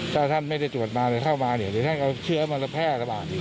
ถ้าท่านไม่ได้ตรวจมาหรือเข้ามาเนี่ยท่านก็เชื้อมาแล้วแพร่ระบาด